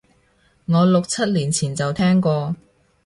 我六七年前就聽過